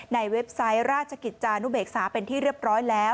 เว็บไซต์ราชกิจจานุเบกษาเป็นที่เรียบร้อยแล้ว